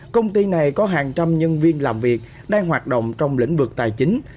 công ty này có hàng trăm nhân viên làm việc đang hoạt động trong lĩnh vực tài chính